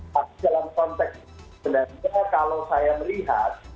tapi dalam konteks sebenarnya kalau saya melihat